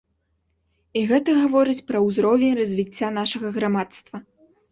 І гэта гаворыць пра ўзровень развіцця нашага грамадства.